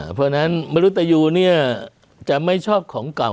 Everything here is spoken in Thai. เพราะฉะนั้นมนุษยูเนี่ยจะไม่ชอบของเก่า